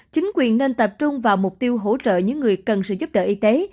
chính quyền nên tập trung vào mục tiêu hỗ trợ những người cần sự giúp đỡ y tế